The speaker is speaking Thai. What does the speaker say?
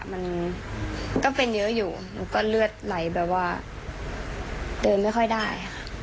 มันก็เป็นเยอะอยู่หนูก็เลือดไหลแบบว่าเดินไม่ค่อยได้ค่ะ